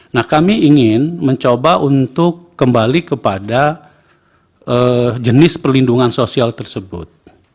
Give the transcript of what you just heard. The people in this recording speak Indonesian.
nah kami ingin mencoba untuk kembali kepada jenis perlindungan sosial tersebut